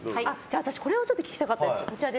私、これを聞きたかったです。